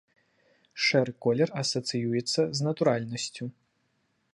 Шэры колер асацыюецца з натуральнасцю.